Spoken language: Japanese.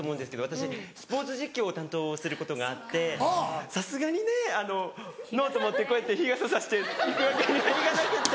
私スポーツ実況を担当することがあってさすがにねノート持ってこうやって日傘差して行くわけにはいかなくって。